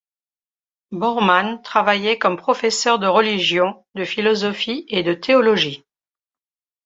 Bormann travaillait comme professeur de religion, de philosophie et de théologie.